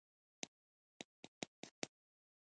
په دې بحثونو کې ټینګار کېده